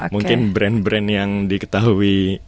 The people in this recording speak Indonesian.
mungkin brand brand yang diketahui